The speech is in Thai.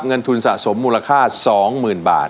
เงินทุนสะสมมูลค่าสองหมื่นบาท